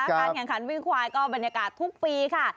การแข่งขันวิ่งควายก็บรรยากาศทุกปีค่ะ